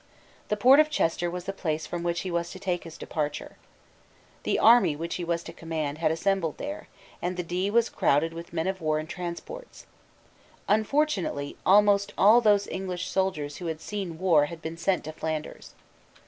The port of Chester was the place from which he was to take his departure. The army which he was to command had assembled there; and the Dee was crowded with men of war and transports. Unfortunately almost all those English soldiers who had seen war had been sent to Flanders.